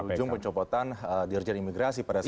ujung pencopotan dirjen imigrasi pada saat itu